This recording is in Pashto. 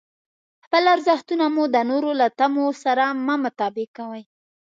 خپل ارزښتونه مو د نورو له تمو سره مه تطابق کوئ.